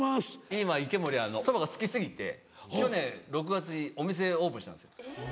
今池森そばが好き過ぎて去年６月にお店オープンしたんですよ。